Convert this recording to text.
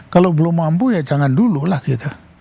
kalau belum mampu ya jangan dulu lah gitu